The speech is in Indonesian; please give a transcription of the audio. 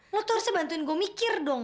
lu tuh harusnya bantuin gue mikir dong